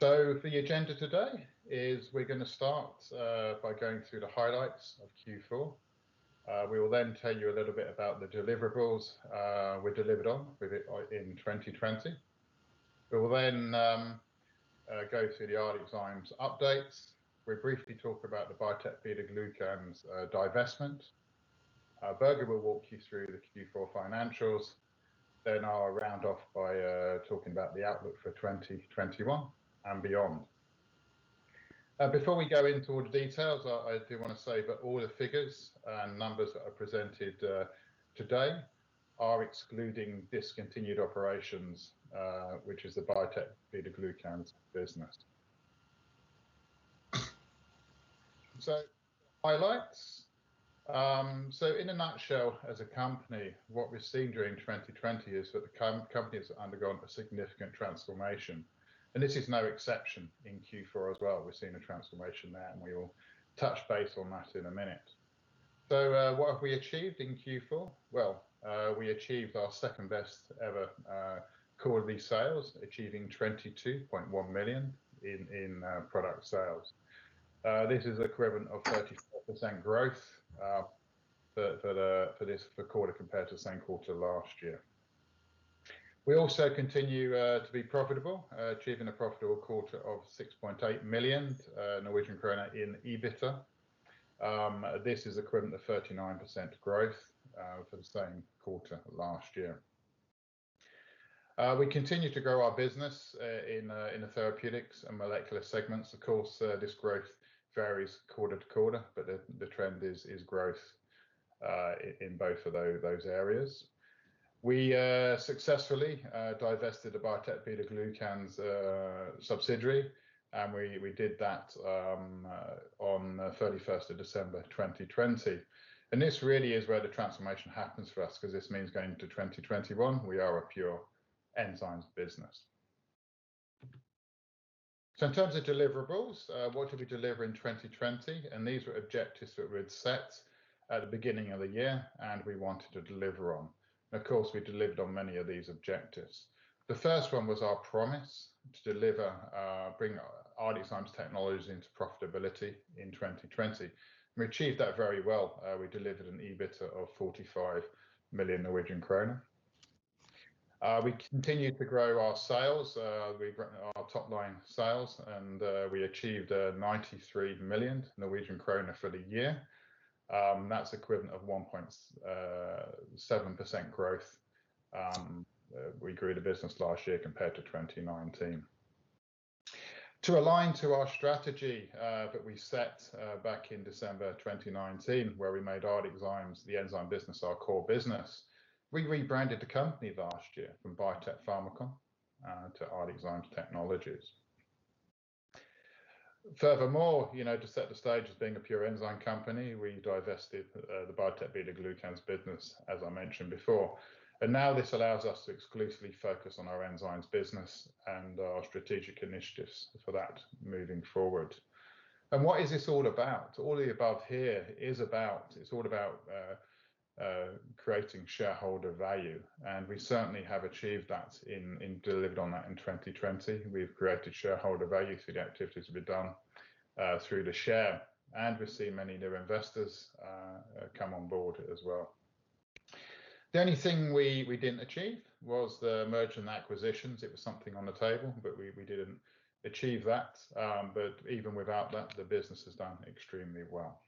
The agenda today is we're going to start by going through the highlights of Q4. We will then tell you a little bit about the deliverables we delivered on in 2020. We will then go through the ArcticZymes updates. We'll briefly talk about the Biotec BetaGlucans divestment. Børge will walk you through the Q4 financials, then I'll round off by talking about the outlook for 2021 and beyond. Before we go into all the details, I do want to say that all the figures and numbers that are presented today are excluding discontinued operations, which is the Biotec BetaGlucans business. Highlights. In a nutshell, as a company, what we've seen during 2020 is that the company has undergone a significant transformation, and this is no exception in Q4 as well. We've seen a transformation there, and we will touch base on that in a minute. What have we achieved in Q4? Well, we achieved our second-best ever quarterly sales, achieving 22.1 million in product sales. This is equivalent of 35% growth for this quarter compared to the same quarter last year. We also continue to be profitable, achieving a profitable quarter of 6.8 million Norwegian krone in EBITDA. This is equivalent to 39% growth for the same quarter last year. We continue to grow our business in the therapeutics and molecular segments. Of course, this growth varies quarter to quarter, but the trend is growth in both of those areas. We successfully divested the Biotec BetaGlucans subsidiary, and we did that on 31st of December 2020, and this really is where the transformation happens for us because this means going into 2021, we are a pure enzymes business. In terms of deliverables, what did we deliver in 2020? These were objectives that we'd set at the beginning of the year and we wanted to deliver on. Of course, we delivered on many of these objectives. The first one was our promise to deliver, bring ArcticZymes Technologies into profitability in 2020, and we achieved that very well. We delivered an EBITDA of 45 million Norwegian kroner. We continued to grow our sales, our top-line sales, and we achieved 93 million Norwegian krone for the year. That's equivalent of 107% growth we grew the business last year compared to 2019. To align to our strategy that we set back in December 2019, where we made ArcticZymes, the enzyme business, our core business, we rebranded the company last year from Biotec Pharmacon to ArcticZymes Technologies. Furthermore, to set the stage as being a pure enzyme company, we divested the Biotec BetaGlucans business, as I mentioned before. Now this allows us to exclusively focus on our enzymes business and our strategic initiatives for that moving forward. What is this all about? All the above here is about creating shareholder value, and we certainly have achieved that and delivered on that in 2020. We've created shareholder value through the activities we've done through the share, and we've seen many new investors come on board as well. The only thing we didn't achieve was the merger and acquisitions. It was something on the table, but we didn't achieve that. Even without that, the business has done extremely well.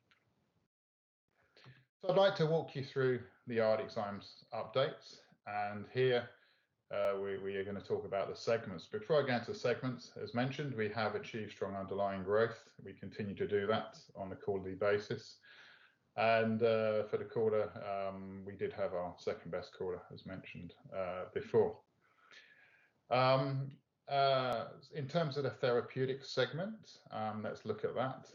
I'd like to walk you through the ArcticZymes updates, and here we are going to talk about the segments. Before I go into the segments, as mentioned, we have achieved strong underlying growth. We continue to do that on a quarterly basis. For the quarter, we did have our second-best quarter as mentioned before. In terms of the therapeutics segment, let's look at that.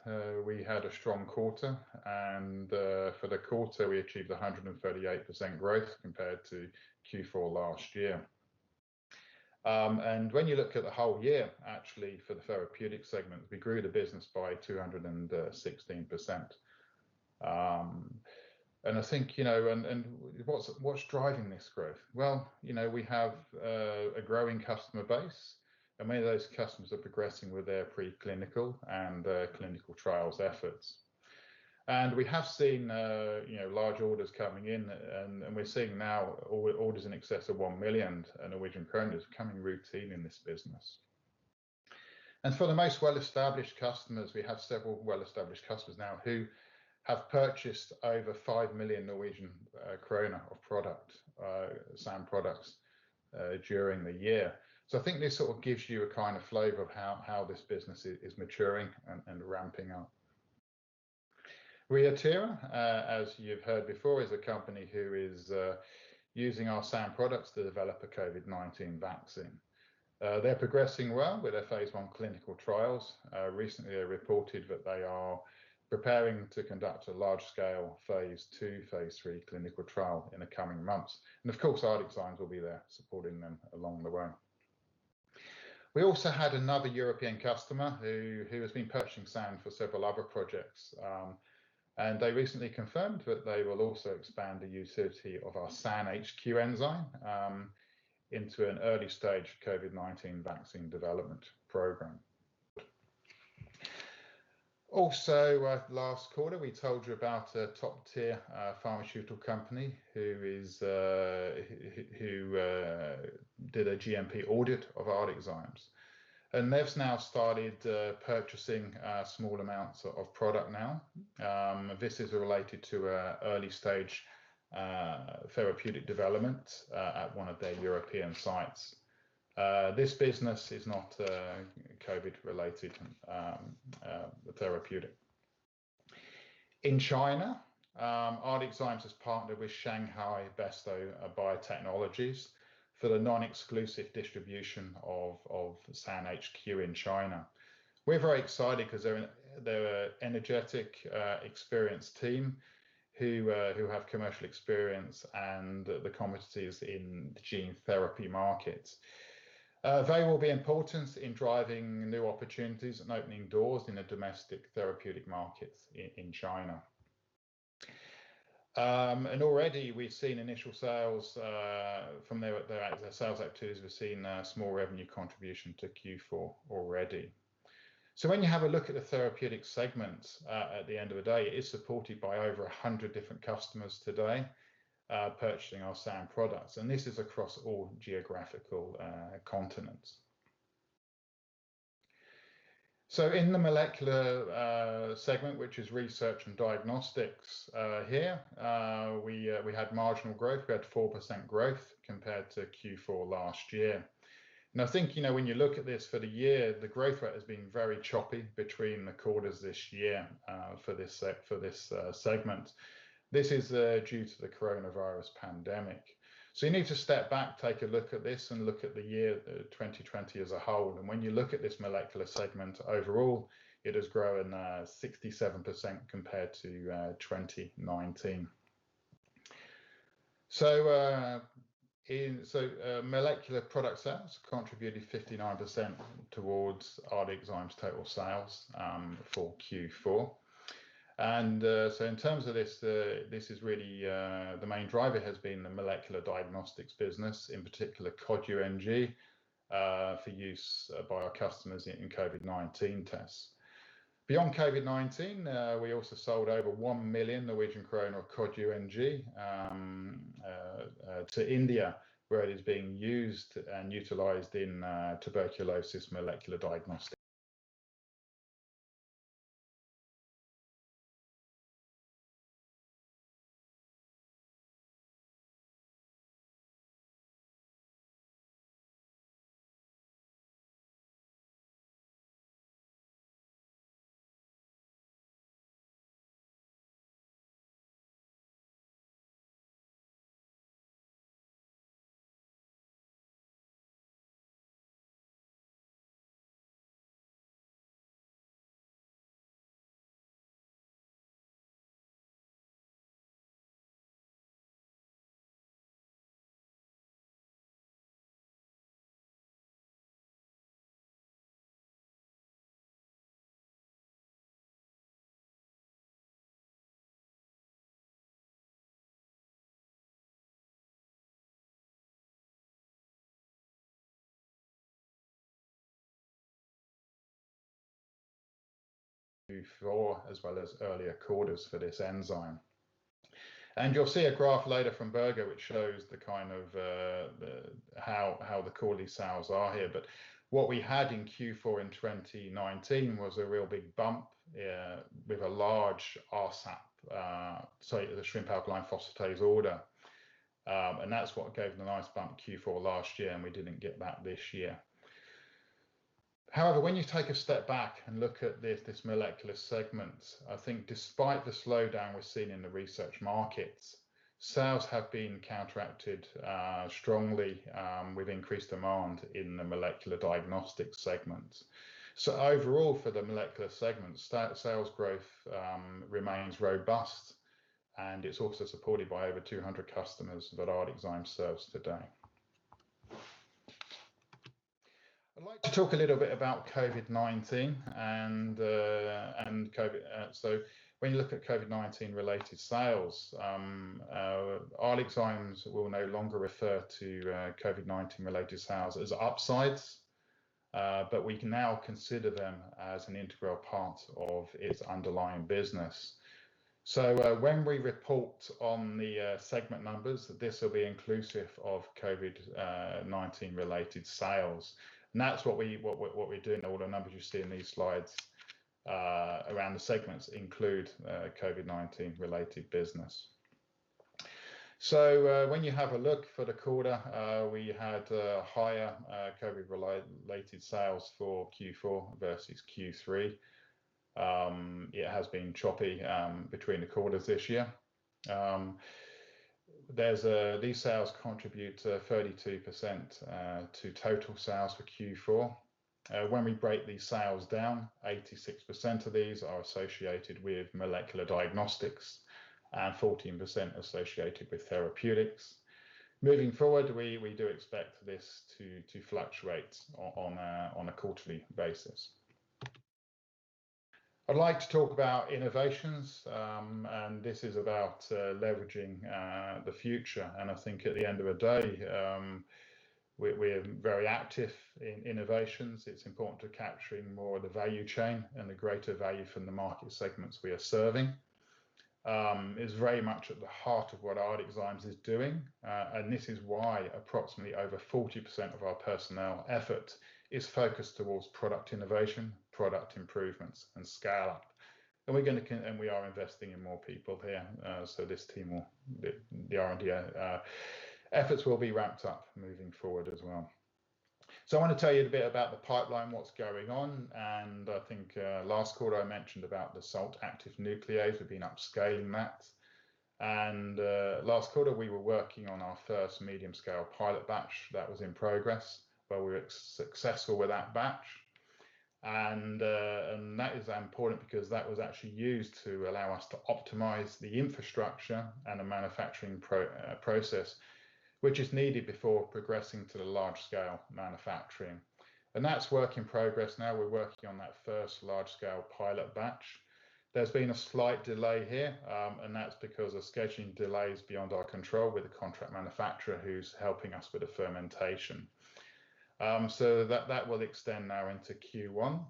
We had a strong quarter. For the quarter, we achieved 138% growth compared to Q4 last year. When you look at the whole year, actually, for the therapeutics segment, we grew the business by 216%. I think, what's driving this growth? Well, we have a growing customer base, and many of those customers are progressing with their pre-clinical and clinical trials efforts. We have seen large orders coming in, and we are seeing now orders in excess of 1 million becoming routine in this business. For the most well-established customers, we have several well-established customers now who have purchased over 5 million Norwegian kroner of SAN products during the year. I think this sort of gives you a kind of flavor of how this business is maturing and ramping up. ReiThera, as you've heard before, is a company who is using our SAN products to develop a COVID-19 vaccine. They're progressing well with their phase I clinical trials. Recently, they reported that they are preparing to conduct a large-scale phase II, phase III clinical trial in the coming months. Of course, ArcticZymes will be there supporting them along the way. We also had another European customer who has been purchasing SAN for several other projects. They recently confirmed that they will also expand the utility of our SAN-HQ enzyme into an early-stage COVID-19 vaccine development program. Last quarter, we told you about a top-tier pharmaceutical company who did a GMP audit of ArcticZymes, and they've now started purchasing small amounts of product now. This is related to an early-stage therapeutic development at one of their European sites. This business is not COVID related therapeutic. In China, ArcticZymes has partnered with Shanghai Besto Biotechnologies for the non-exclusive distribution of SAN-HQ in China. We're very excited because they're an energetic, experienced team who have commercial experience and the competencies in the gene therapy markets. They will be important in driving new opportunities and opening doors in the domestic therapeutic markets in China. Already we've seen initial sales from their sales activities. We've seen a small revenue contribution to Q4 already. When you have a look at the therapeutic segments, at the end of the day, it is supported by over 100 different customers today purchasing our SAN products, and this is across all geographical continents. In the molecular segment, which is research and diagnostics here, we had marginal growth. We had 4% growth compared to Q4 last year. I think, when you look at this for the year, the growth rate has been very choppy between the quarters this year for this segment. This is due to the coronavirus pandemic. You need to step back, take a look at this, and look at the year 2020 as a whole. When you look at this molecular segment, overall, it has grown 67% compared to 2019. Molecular product sales contributed 59% towards ArcticZymes' total sales for Q4. In terms of this, the main driver has been the molecular diagnostics business, in particular Cod UNG for use by our customers in COVID-19 tests. Beyond COVID-19, we also sold over 1 million Norwegian crown of Cod UNG to India, where it is being used and utilized in tuberculosis molecular diagnostics. In Q4 as well as earlier quarters for this enzyme. You'll see a graph later from Børge which shows how the quarterly sales are here. What we had in Q4 in 2019 was a real big bump with a large rSAP, sorry, the Shrimp Alkaline Phosphatase order. That's what gave the nice bump Q4 last year, and we didn't get that this year. However, when you take a step back and look at this molecular segment, I think despite the slowdown we've seen in the research markets, sales have been counteracted strongly with increased demand in the molecular diagnostics segment. Overall, for the molecular segment, sales growth remains robust, and it's also supported by over 200 customers that ArcticZymes serves today. I'd like to talk a little bit about COVID-19. When you look at COVID-19-related sales, ArcticZymes will no longer refer to COVID-19-related sales as upsides, but we can now consider them as an integral part of its underlying business. When we report on the segment numbers, this will be inclusive of COVID-19-related sales, and that's what we're doing. All the numbers you see in these slides around the segments include COVID-19-related business. When you have a look for the quarter, we had higher COVID-related sales for Q4 versus Q3. It has been choppy between the quarters this year. These sales contribute 32% to total sales for Q4. When we break these sales down, 86% of these are associated with molecular diagnostics. 14% associated with therapeutics. Moving forward, we do expect this to fluctuate on a quarterly basis. I'd like to talk about innovations, and this is about leveraging the future. I think at the end of the day, we're very active in innovations. It's important to capturing more of the value chain and the greater value from the market segments we are serving. It's very much at the heart of what ArcticZymes is doing. This is why approximately over 40% of our personnel effort is focused towards product innovation, product improvements, and scale. We are investing in more people here. The R&D efforts will be ramped up moving forward as well. I want to tell you a bit about the pipeline, what's going on. I think last quarter I mentioned about the Salt Active Nuclease. We've been upscaling that. Last quarter we were working on our first medium-scale pilot batch that was in progress, but we were successful with that batch. That is important because that was actually used to allow us to optimize the infrastructure and the manufacturing process, which is needed before progressing to the large-scale manufacturing. That's work in progress now, we're working on that first large-scale pilot batch. There's been a slight delay here, that's because of scheduling delays beyond our control with the contract manufacturer who's helping us with the fermentation. That will extend now into Q1.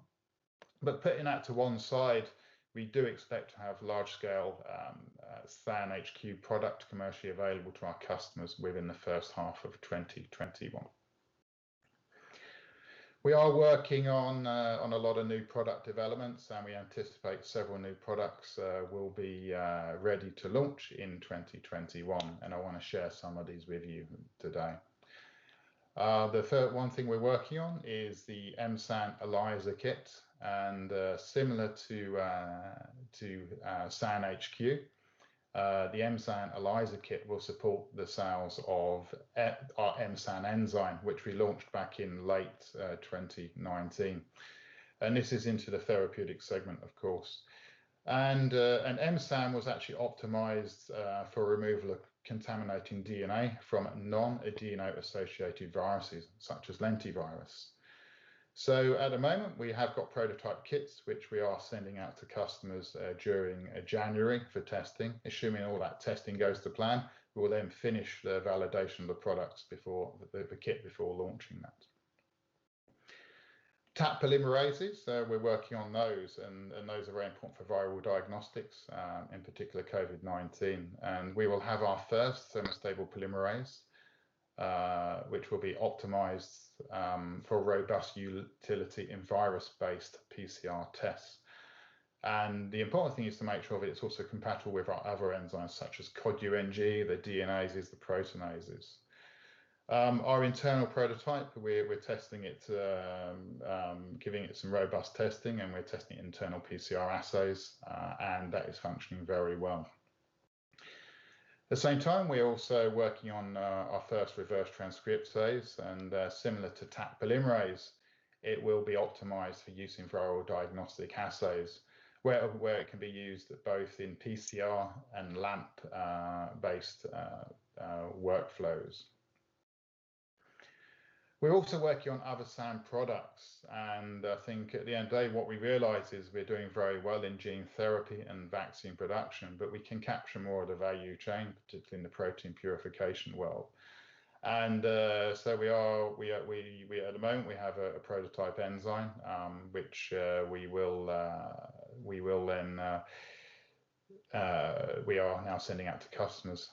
Putting that to one side, we do expect to have large-scale SAN-HQ product commercially available to our customers within the first half of 2021. We are working on a lot of new product developments, we anticipate several new products will be ready to launch in 2021, and I want to share some of these with you today. The one thing we're working on is the M-SAN ELISA kit. Similar to SAN-HQ, the M-SAN ELISA kit will support the sales of our M-SAN enzyme, which we launched back in late 2019. This is into the therapeutic segment, of course. M-SAN was actually optimized for removal of contaminating DNA from non-adeno-associated viruses such as lentivirus. At the moment, we have got prototype kits which we are sending out to customers during January for testing. Assuming all that testing goes to plan, we will then finish the validation of the products, the kit before launching that. Taq polymerases, we're working on those. Those are very important for viral diagnostics, in particular COVID-19. We will have our first thermostable polymerase, which will be optimized for robust utility in virus-based PCR tests. The important thing is to make sure that it's also compatible with our other enzymes such as Cod UNG, the DNases, the proteinases. Our internal prototype, we're giving it some robust testing and we're testing internal PCR assays, and that is functioning very well. At the same time, we're also working on our first reverse transcriptase, and similar to Taq polymerase, it will be optimized for use in viral diagnostic assays, where it can be used both in PCR and LAMP based workflows. We're also working on other SAN products, and I think at the end of the day, what we realize is we're doing very well in gene therapy and vaccine production, but we can capture more of the value chain, particularly in the protein purification world. At the moment, we have a prototype enzyme, which we are now sending out to customers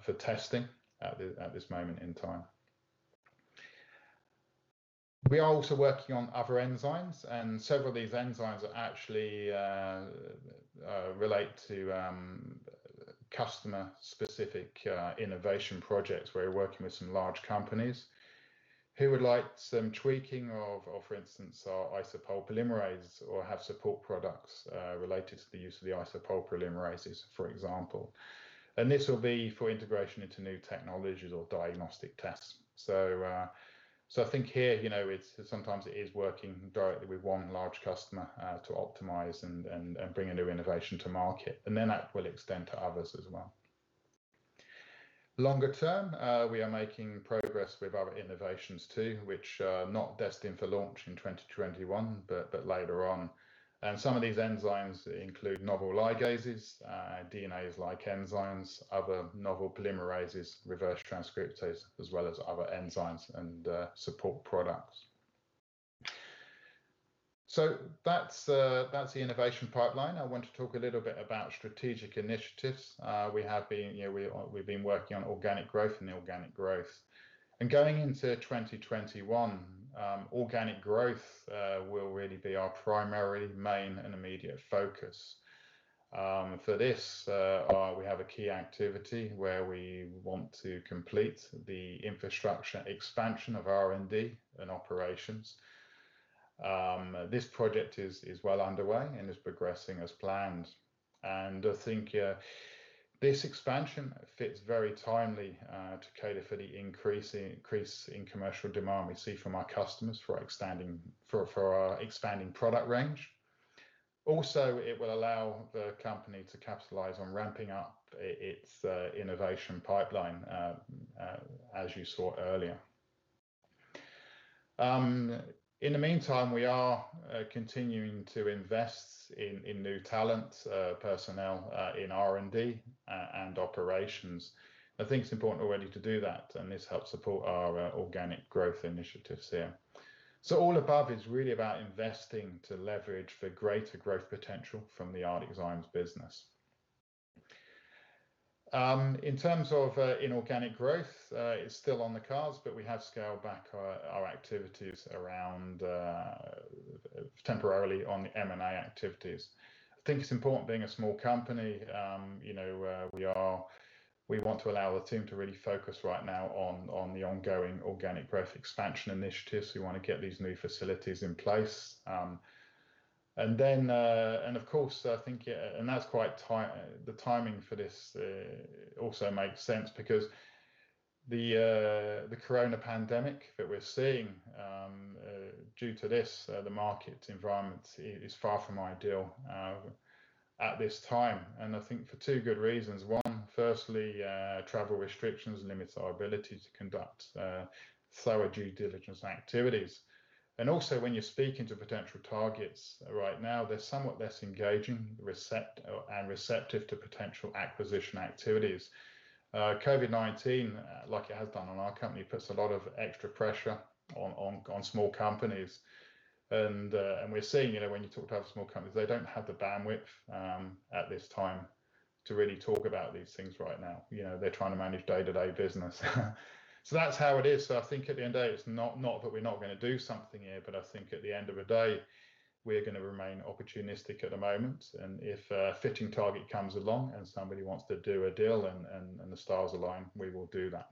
for testing at this moment in time. We are also working on other enzymes, and several of these enzymes actually relate to customer-specific innovation projects. We're working with some large companies who would like some tweaking of, for instance, our IsoPol polymerases or have support products related to the use of the IsoPol polymerases, for example. This will be for integration into new technologies or diagnostic tests. I think here, sometimes it is working directly with one large customer to optimize and bring a new innovation to market, and then that will extend to others as well. Longer term, we are making progress with our innovations too, which are not destined for launch in 2021, but later on. Some of these enzymes include novel ligases, DNA-like enzymes, other novel polymerases, reverse transcriptase, as well as other enzymes and support products. That's the innovation pipeline. I want to talk a little bit about strategic initiatives. We’ve been working on organic growth and inorganic growth. Going into 2021, organic growth will really be our primary, main, and immediate focus. For this, we have a key activity where we want to complete the infrastructure expansion of R&D and operations. This project is well underway and is progressing as planned. I think this expansion fits very timely to cater for the increase in commercial demand we see from our customers for our expanding product range. Also, it will allow the company to capitalize on ramping up its innovation pipeline, as you saw earlier. In the meantime, we are continuing to invest in new talent, personnel in R&D and operations. I think it's important already to do that, and this helps support our organic growth initiatives here. All above is really about investing to leverage for greater growth potential from the ArcticZymes business. In terms of inorganic growth, it is still on the cards, but we have scaled back our activities around temporarily on the M&A activities. I think it is important being a small company, we want to allow the team to really focus right now on the ongoing organic growth expansion initiatives. We want to get these new facilities in place. Of course, the timing for this also makes sense because the corona pandemic that we are seeing, due to this, the market environment is far from ideal at this time. I think for two good reasons. One, firstly, travel restrictions limits our ability to conduct thorough due diligence activities. Also when you're speaking to potential targets right now, they're somewhat less engaging and receptive to potential acquisition activities. COVID-19, like it has done on our company, puts a lot of extra pressure on small companies. We're seeing, when you talk to other small companies, they don't have the bandwidth at this time to really talk about these things right now. They're trying to manage day-to-day business. That's how it is. I think at the end of the day, it's not that we're not going to do something here, but I think at the end of the day, we're going to remain opportunistic at the moment, and if a fitting target comes along and somebody wants to do a deal and the stars align, we will do that.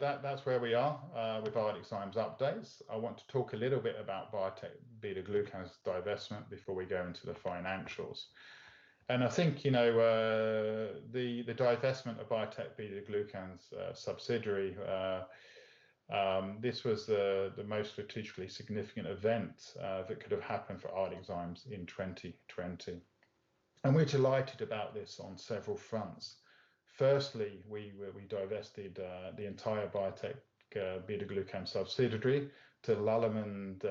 That's where we are with ArcticZymes updates. I want to talk a little bit about Biotec BetaGlucans divestment before we go into the financials. I think the divestment of Biotec BetaGlucans subsidiary, this was the most strategically significant event that could've happened for ArcticZymes in 2020. We're delighted about this on several fronts. Firstly, we divested the entire Biotec BetaGlucans subsidiary to Lallemand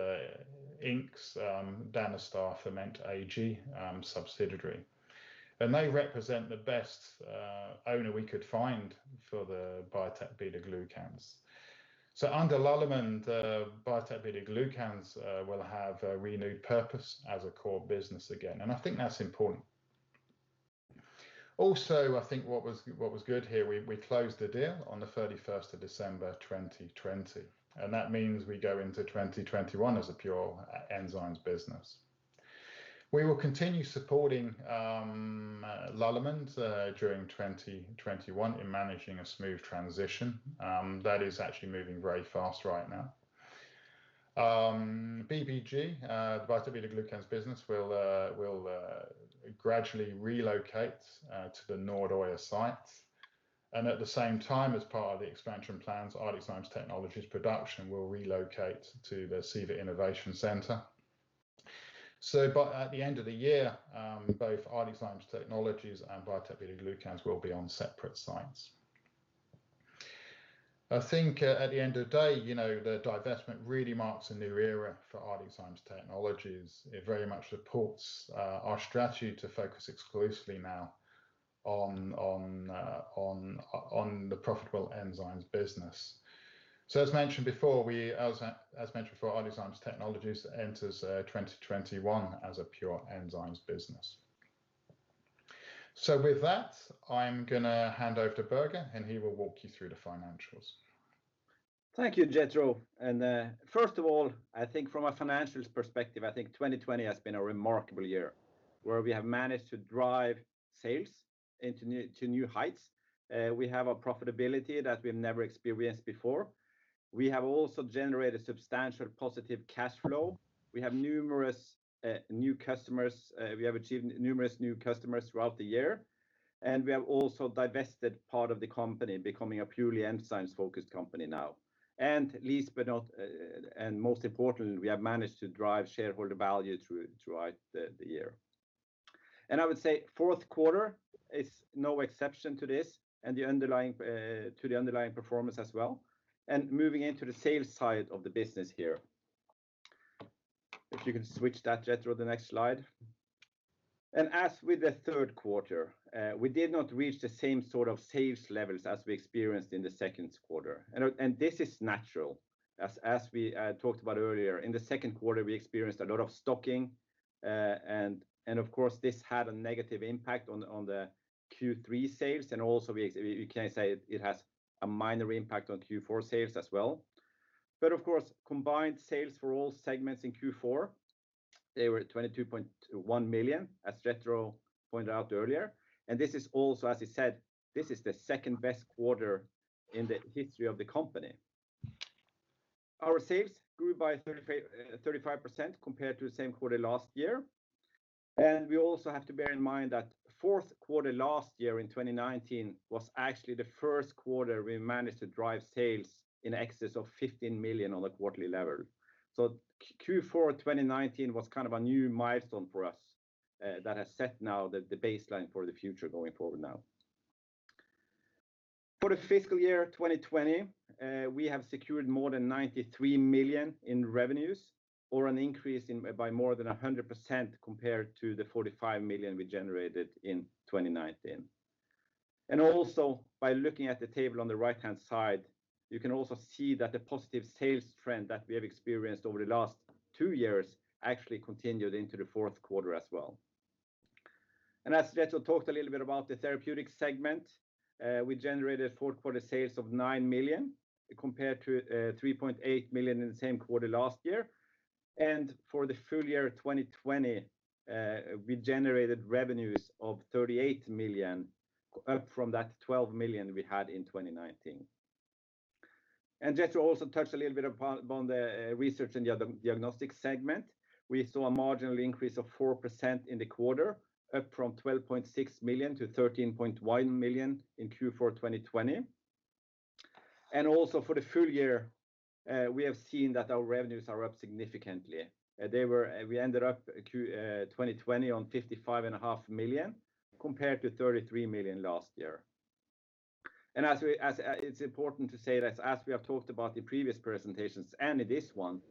Inc's Danstar Ferment AG subsidiary. They represent the best owner we could find for the Biotec BetaGlucans. Under Lallemand, Biotec BetaGlucans will have a renewed purpose as a core business again, and I think that's important. Also, I think what was good here, we closed the deal on the 31st of December 2020, and that means we go into 2021 as a pure enzymes business. We will continue supporting Lallemand during 2021 in managing a smooth transition. That is actually moving very fast right now. BBG, the Biotec BetaGlucans business, will gradually relocate to the Nordøya site. At the same time, as part of the expansion plans, ArcticZymes Technologies production will relocate to the SIVA Innovation Centre. By the end of the year, both ArcticZymes Technologies and Biotec BetaGlucans will be on separate sites. I think at the end of the day, the divestment really marks a new era for ArcticZymes Technologies. It very much supports our strategy to focus exclusively now on the profitable enzymes business. As mentioned before, ArcticZymes Technologies enters 2021 as a pure enzymes business. With that, I'm going to hand over to Børge, and he will walk you through the financials. Thank you, Jethro. First of all, I think from a financials perspective, I think 2020 has been a remarkable year where we have managed to drive sales into new heights. We have a profitability that we've never experienced before. We have also generated substantial positive cash flow. We have achieved numerous new customers throughout the year, and we have also divested part of the company, becoming a purely enzymes-focused company now. Most importantly, we have managed to drive shareholder value throughout the year. I would say fourth quarter is no exception to this and to the underlying performance as well. Moving into the sales side of the business here. If you can switch that, Jethro, the next slide. As with the third quarter, we did not reach the same sort of sales levels as we experienced in the second quarter. This is natural. As we talked about earlier, in the second quarter, we experienced a lot of stocking, and of course this had a negative impact on the Q3 sales. Also, we can say it has a minor impact on Q4 sales as well. Of course, combined sales for all segments in Q4, they were 22.1 million, as Jethro pointed out earlier. This is also, as he said, this is the second-best quarter in the history of the company. Our sales grew by 35% compared to the same quarter last year. We also have to bear in mind that fourth quarter last year in 2019 was actually the first quarter we managed to drive sales in excess of 15 million on a quarterly level. Q4 2019 was a new milestone for us that has set now the baseline for the future going forward now. For the fiscal year 2020, we have secured more than 93 million in revenues or an increase by more than 100% compared to the 45 million we generated in 2019. Also by looking at the table on the right-hand side, you can also see that the positive sales trend that we have experienced over the last two years actually continued into the fourth quarter as well. As Jethro talked a little bit about the therapeutics segment, we generated fourth quarter sales of 9 million compared to 3.8 million in the same quarter last year. For the full year 2020, we generated revenues of 38 million, up from that 12 million we had in 2019. Jethro also touched a little bit upon the research and the other diagnostics segment. We saw a marginal increase of 4% in the quarter, up from 12.6 million to 13.1 million in Q4 2020. Also for the full year, we have seen that our revenues are up significantly. We ended up 2020 on 55.5 million compared to 33 million last year. It's important to say that as we have talked about the previous presentations and in this one,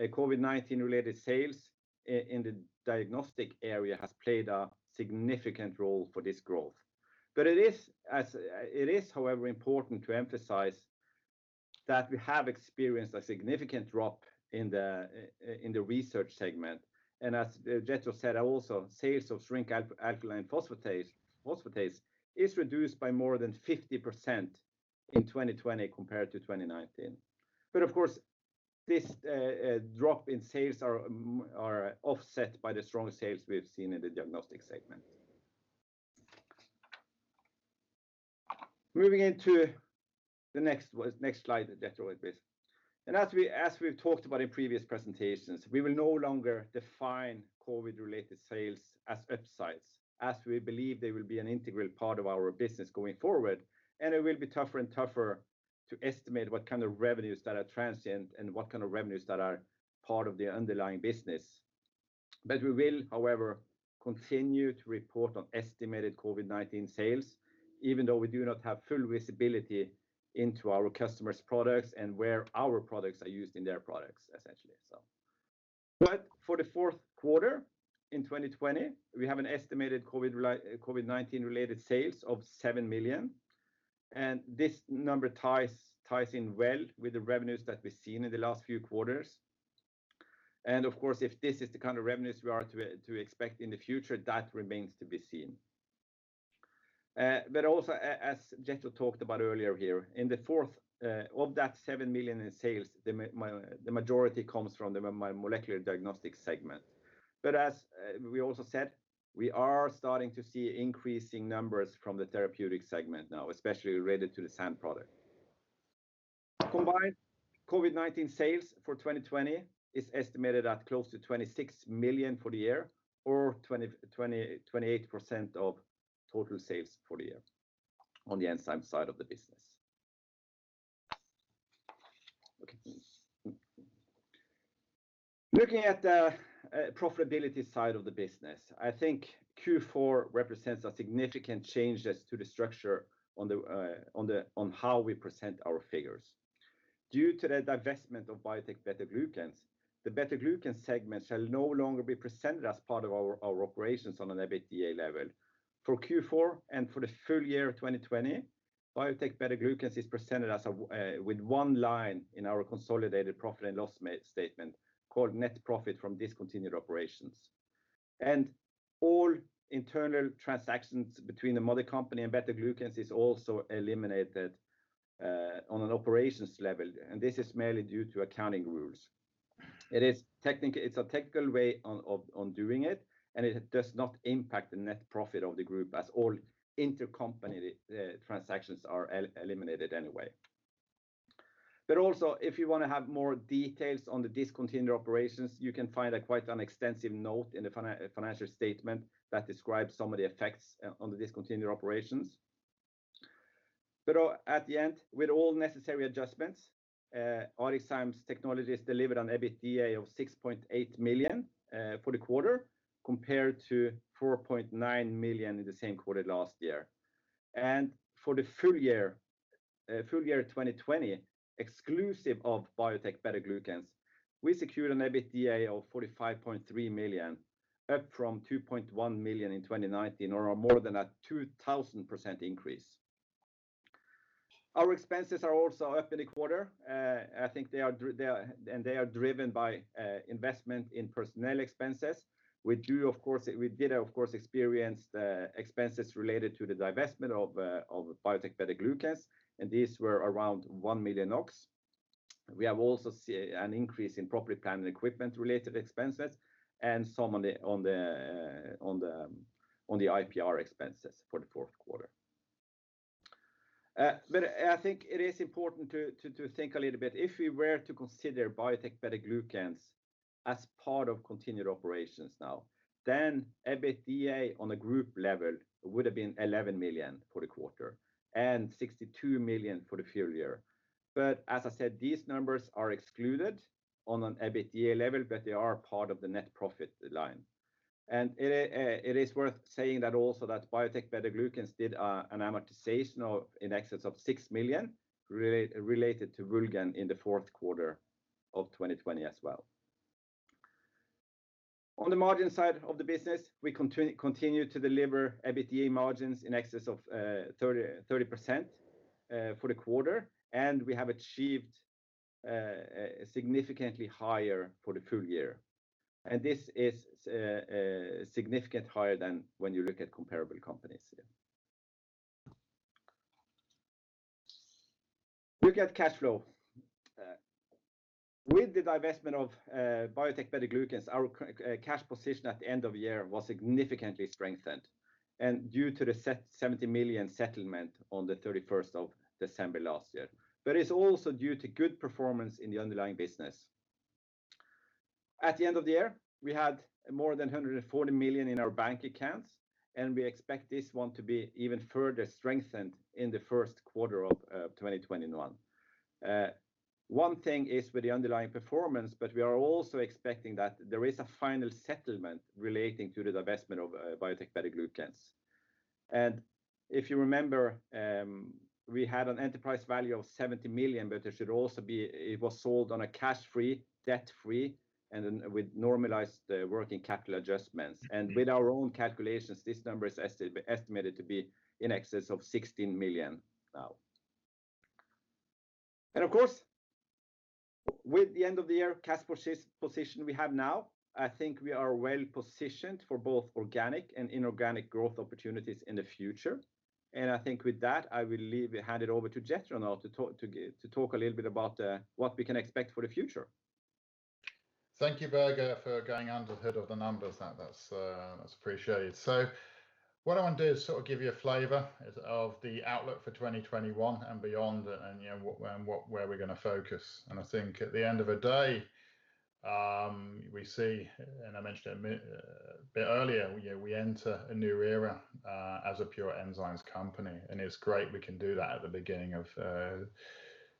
COVID-19 related sales in the diagnostic area has played a significant role for this growth. It is, however, important to emphasize that we have experienced a significant drop in the research segment. As Jethro said also, sales of Shrimp Alkaline Phosphatase is reduced by more than 50% in 2020 compared to 2019. Of course, this drop in sales are offset by the strong sales we have seen in the diagnostic segment. Moving into the next slide, Jethro, please. As we've talked about in previous presentations, we will no longer define COVID-related sales as upsides, as we believe they will be an integral part of our business going forward, and it will be tougher and tougher to estimate what kind of revenues that are transient and what kind of revenues that are part of the underlying business. We will, however, continue to report on estimated COVID-19 sales, even though we do not have full visibility into our customers' products and where our products are used in their products, essentially. For the fourth quarter in 2020, we have an estimated COVID-19 related sales of 7 million, and this number ties in well with the revenues that we've seen in the last few quarters. Of course, if this is the kind of revenues we are to expect in the future, that remains to be seen. As Jethro talked about earlier here, of that 7 million in sales, the majority comes from the molecular diagnostics segment. As we also said, we are starting to see increasing numbers from the therapeutic segment now, especially related to the SAN product. Combined, COVID-19 sales for 2020 is estimated at close to 26 million for the year or 28% of total sales for the year on the enzyme side of the business. Looking at the profitability side of the business, I think Q4 represents a significant change as to the structure on how we present our figures. Due to the divestment of Biotec BetaGlucans, the BetaGlucans segment shall no longer be presented as part of our operations on an EBITDA level. For Q4 and for the full year 2020, Biotec BetaGlucans is presented with one line in our consolidated profit and loss statement called net profit from discontinued operations. All internal transactions between the mother company and Biotec BetaGlucans is also eliminated on an operations level. This is mainly due to accounting rules. It's a technical way of doing it, and it does not impact the net profit of the group as all intercompany transactions are eliminated anyway. Also, if you want to have more details on the discontinued operations, you can find quite an extensive note in the financial statement that describes some of the effects on the discontinued operations. At the end, with all necessary adjustments, ArcticZymes Technologies delivered an EBITDA of 6.8 million for the quarter, compared to 4.9 million in the same quarter last year. For the full year 2020, exclusive of Biotec BetaGlucans, we secured an EBITDA of 45.3 million, up from 2.1 million in 2019, or more than a 2,000% increase. Our expenses are also up in the quarter. I think they are driven by investment in personnel expenses. We did, of course, experience the expenses related to the divestment of Biotec BetaGlucans, and these were around 1 million. We have also seen an increase in property, plant, and equipment-related expenses and some on the IPR expenses for the fourth quarter. I think it is important to think a little bit, if we were to consider Biotec BetaGlucans as part of continued operations now, then EBITDA on a group level would've been 11 million for the quarter and 62 million for the full year. As I said, these numbers are excluded on an EBITDA level, but they are part of the net profit line. It is worth saying that also that Biotec BetaGlucans did an amortization in excess of 6 million related to WOULGAN in the fourth quarter of 2020 as well. On the margin side of the business, we continue to deliver EBITDA margins in excess of 30% for the quarter, and we have achieved significantly higher for the full year. This is significantly higher than when you look at comparable companies. Look at cash flow. With the divestment of Biotec BetaGlucans, our cash position at the end of the year was significantly strengthened and due to the 70 million settlement on the 31st of December last year. It is also due to good performance in the underlying business. At the end of the year, we had more than 140 million in our bank accounts. We expect this one to be even further strengthened in the first quarter of 2021. One thing is with the underlying performance. We are also expecting that there is a final settlement relating to the divestment of Biotec BetaGlucans. If you remember, we had an enterprise value of 70 million. It was sold on a cash-free, debt-free, and with normalized working capital adjustments. With our own calculations, this number is estimated to be in excess of 16 million now. Of course, with the end of the year cash position we have now, I think we are well positioned for both organic and inorganic growth opportunities in the future. I think with that, I will hand it over to Jethro now to talk a little bit about what we can expect for the future. Thank you, Børge, for going under the hood of the numbers. That's appreciated. What I want to do is sort of give you a flavor of the outlook for 2021 and beyond and where we're going to focus. I think at the end of the day, we see, and I mentioned it a bit earlier, we enter a new era as a pure enzymes company, and it's great we can do that at the beginning of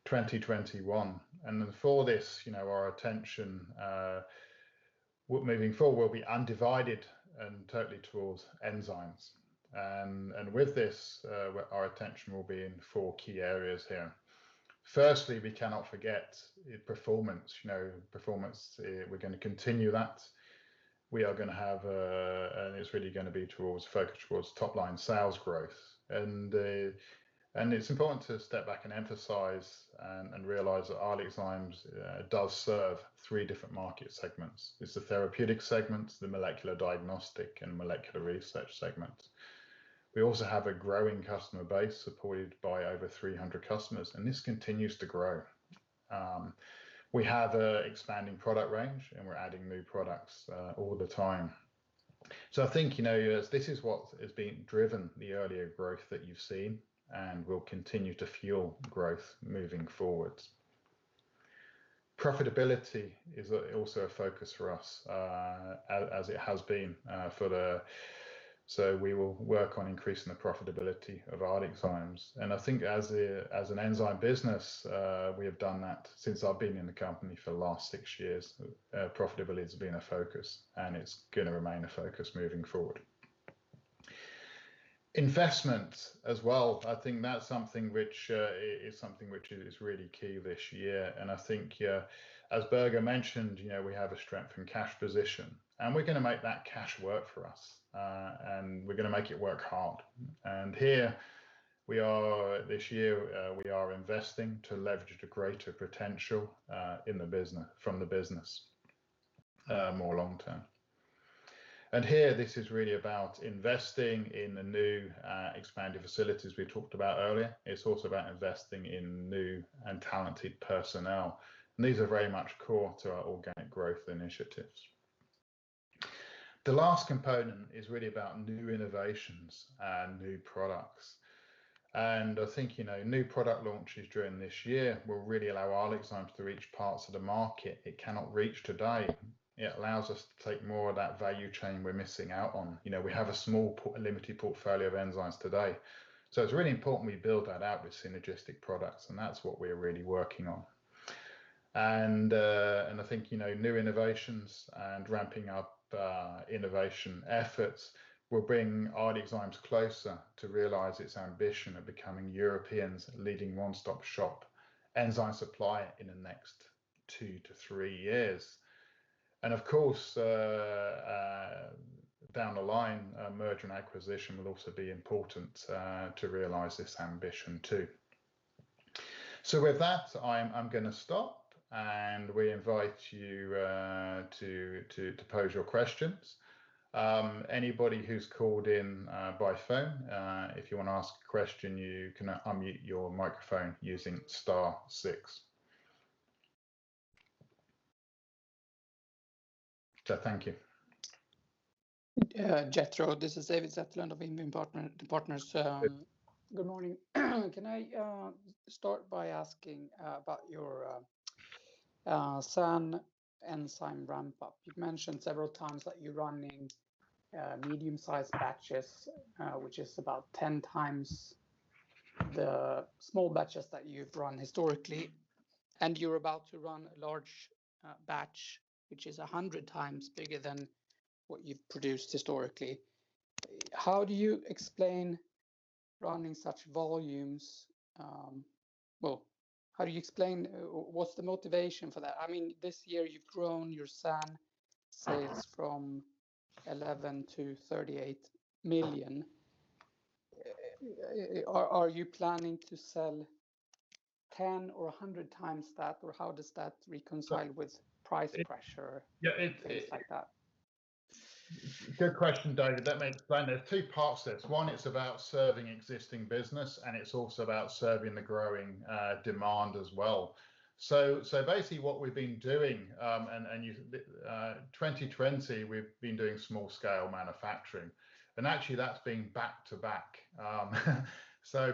2021. For this, our attention moving forward will be undivided and totally towards enzymes. With this, our attention will be in four key areas here. Firstly, we cannot forget performance. Performance, we're going to continue that. It's really going to be focused towards top-line sales growth. It's important to step back and emphasize and realize that ArcticZymes does serve three different market segments. It's the therapeutic segment, the molecular diagnostic, and molecular research segment. We also have a growing customer base supported by over 300 customers, and this continues to grow. We have an expanding product range, we're adding new products all the time. I think this is what has been driven the earlier growth that you've seen and will continue to fuel growth moving forward. Profitability is also a focus for us, as it has been. We will work on increasing the profitability of ArcticZymes. I think as an enzyme business, we have done that since I've been in the company for the last six years. Profitability has been a focus and it's going to remain a focus moving forward. Investment as well. I think that's something which is really key this year. I think as Børge mentioned, we have a strength in cash position, and we're going to make that cash work for us. We're going to make it work hard. Here we are this year, we are investing to leverage the greater potential from the business more long-term. Here, this is really about investing in the new expanded facilities we talked about earlier. It's also about investing in new and talented personnel. These are very much core to our organic growth initiatives. The last component is really about new innovations and new products. I think new product launches during this year will really allow ArcticZymes to reach parts of the market it cannot reach today. It allows us to take more of that value chain we're missing out on. We have a small limited portfolio of enzymes today, so it's really important we build that out with synergistic products, and that's what we're really working on. I think new innovations and ramping up innovation efforts will bring ArcticZymes closer to realize its ambition of becoming Europe's leading one-stop shop enzyme supplier in the next two to three years. Of course, down the line, merger and acquisition will also be important to realize this ambition too. With that, I'm going to stop, and we invite you to pose your questions. Anybody who's called in by phone, if you want to ask a question, you can unmute your microphone using star six. Thank you. Jethro, this is David Zetterlund of Invium Partners. Good morning. Can I start by asking about your SAN enzyme ramp-up? You've mentioned several times that you're running medium-sized batches, which is about 10x the small batches that you've run historically, and you're about to run a large batch, which is 100x bigger than what you've produced historically. How do you explain running such volumes? Well, how do you explain, what's the motivation for that? This year you've grown your SAN sales from 11 million to 38 million. Are you planning to sell 10x or 100x that, or how does that reconcile with price pressure. Yeah. Things like that? Good question, David. Let me explain. There are two parts to this. One, it's about serving existing business, and it's also about serving the growing demand as well. Basically, what we've been doing, 2020, we've been doing small-scale manufacturing. Actually, that's been back to back.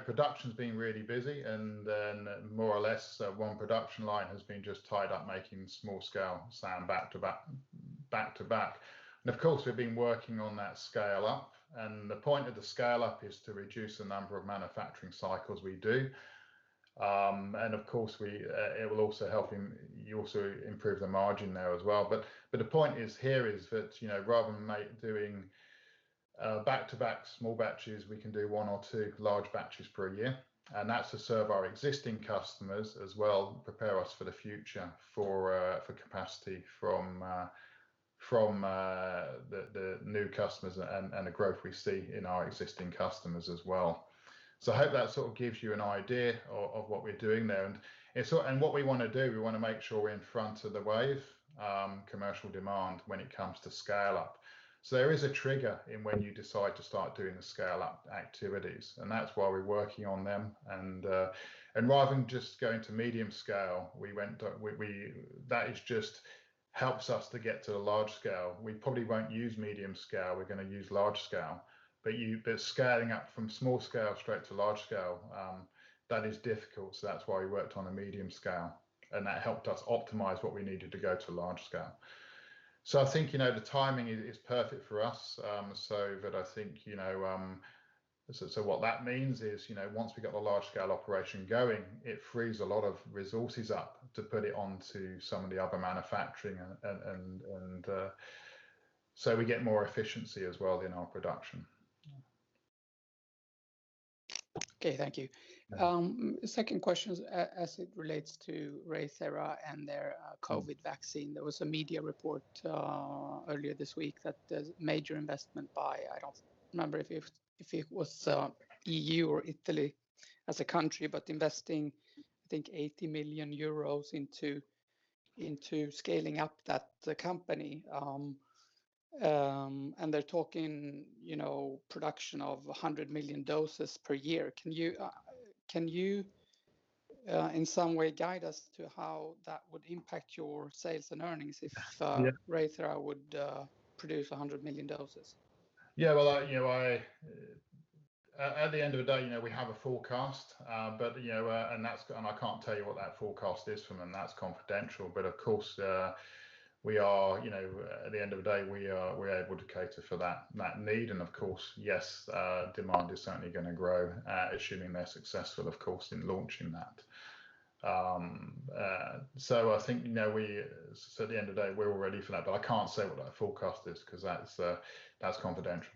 Production's been really busy, and then more or less, one production line has been just tied up making small-scale SAN back to back. Of course, we've been working on that scale-up, and the point of the scale-up is to reduce the number of manufacturing cycles we do. Of course, it will also help you also improve the margin there as well. The point here is that, rather than doing back-to-back small batches, we can do one or two large batches per year. That's to serve our existing customers as well, prepare us for the future for capacity from the new customers and the growth we see in our existing customers as well. I hope that sort of gives you an idea of what we're doing there. What we want to do, we want to make sure we're in front of the wave, commercial demand, when it comes to scale-up. There is a trigger in when you decide to start doing the scale-up activities. That's why we're working on them. Rather than just going to medium scale, that just helps us to get to the large scale. We probably won't use medium scale. We're going to use large scale. Scaling up from small scale straight to large scale, that is difficult. That's why we worked on a medium scale. That helped us optimize what we needed to go to large scale. I think, the timing is perfect for us. What that means is, once we've got the large scale operation going, it frees a lot of resources up to put it onto some of the other manufacturing. We get more efficiency as well in our production. Okay. Thank you. Second question, as it relates to ReiThera and their COVID vaccine. There was a media report earlier this week that a major investment by, I don't remember if it was EU or Italy as a country, but investing, I think, 80 million euros into scaling up the company. They're talking production of 100 million doses per year. Can you in some way guide us to how that would impact your sales and earnings? Yeah ReiThera would produce 100 million doses? Yeah. At the end of the day, we have a forecast. I can't tell you what that forecast is from them. That's confidential. Of course, at the end of the day, we're able to cater for that need. Of course, yes, demand is certainly going to grow, assuming they're successful, of course, in launching that. I think at the end of the day, we're all ready for that. I can't say what that forecast is because that's confidential.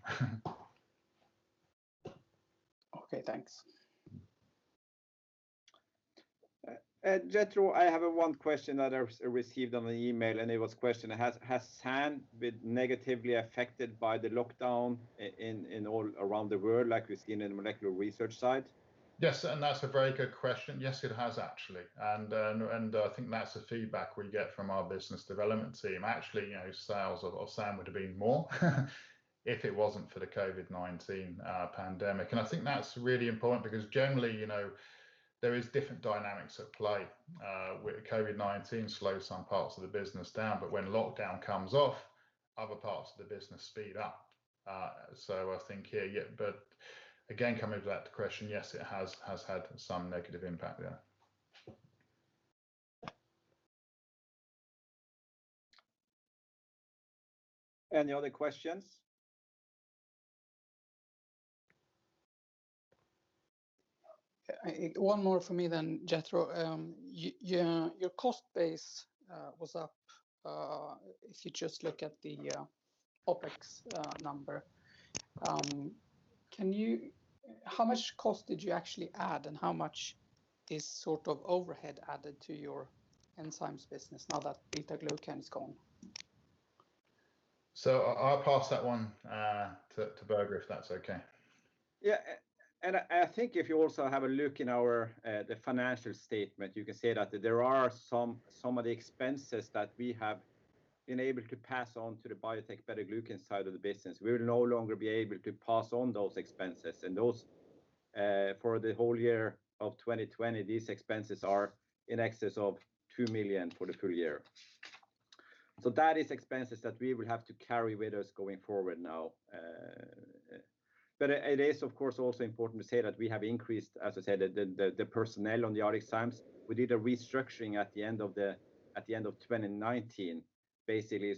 Okay. Thanks. Jethro, I have one question that I received on an email, and it was question, has SAN been negatively affected by the lockdown in all around the world, like with molecular research side? Yes. That's a very good question. Yes, it has, actually. I think that's the feedback we get from our business development team. Actually, sales of SAN would have been more if it wasn't for the COVID-19 pandemic. I think that's really important because generally, there is different dynamics at play, with COVID-19 slowed some parts of the business down, but when lockdown comes off, other parts of the business speed up. I think, yeah. Again, coming back to the question, yes, it has had some negative impact, yeah. Any other questions? One more from me, Jethro. Your cost base was up, if you just look at the OpEx number. How much cost did you actually add, how much is sort of overhead added to your enzymes business now that Biotec BetaGlucans is gone? I'll pass that one to Børge, if that's okay. Yeah. I think if you also have a look in the financial statement, you can see that there are some of the expenses that we have been able to pass on to the Biotec BetaGlucans side of the business. We will no longer be able to pass on those expenses. Those for the whole year of 2020, these expenses are in excess of 2 million for the full year. That is expenses that we will have to carry with us going forward now. It is, of course, also important to say that we have increased, as I said, the personnel on the ArcticZymes. We did a restructuring at the end of 2019, basically.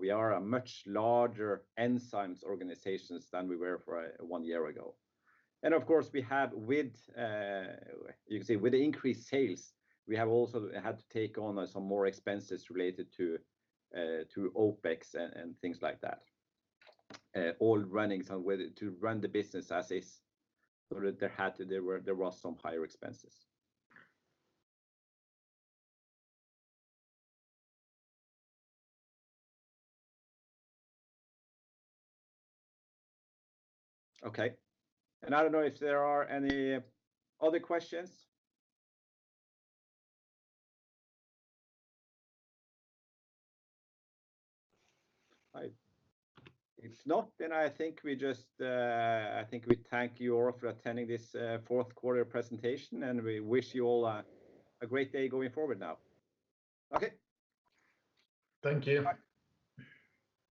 We are a much larger enzymes organization than we were for one year ago. Of course, with the increased sales, we have also had to take on some more expenses related to OpEx and things like that. To run the business as is, there was some higher expenses. Okay. I don't know if there are any other questions. I think we thank you all for attending this fourth quarter presentation, and we wish you all a great day going forward now. Okay. Thank you. Bye.